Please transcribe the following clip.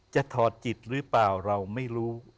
ถอดจิตหรือเปล่าเราไม่รู้